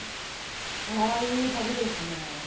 「うわいい旅ですね」